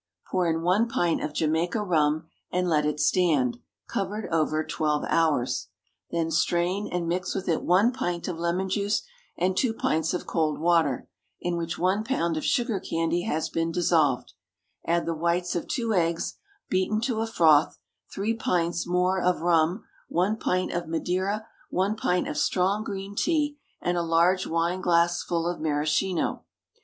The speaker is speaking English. Pour in one pint of Jamaica rum, and let it stand, covered over, twelve hours. Then strain, and mix with it one pint of lemon juice, and two pints of cold water, in which one pound of sugar candy has been dissolved; add the whites of two eggs, beaten to a froth, three pints more of rum, one pint of madeira, one pint of strong green tea, and a large wine glassful of maraschino.